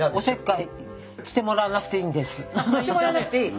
私してもらわなくていい？